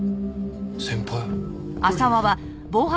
先輩？